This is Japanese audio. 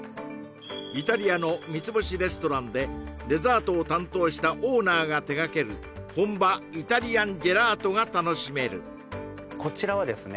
イタリアの３つ星レストランでデザートを担当したオーナーが手がける本場イタリアンジェラートが楽しめるこちらはですね